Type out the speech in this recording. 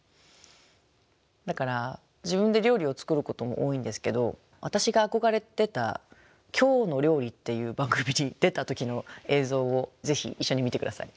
だから自分で料理を作ることも多いんですけど私が憧れてた「きょうの料理」っていう番組に出た時の映像をぜひ一緒に見て下さい。